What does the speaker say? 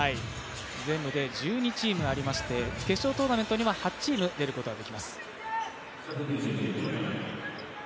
全部で１２チームありまして決勝トーナメントには８チーム出ることができます。